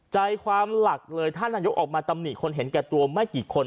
ใจความหลักเลยท่านนายกออกมาตำหนิคนเห็นแก่ตัวไม่กี่คน